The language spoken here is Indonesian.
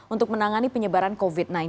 untuk menangani penyebaran covid sembilan belas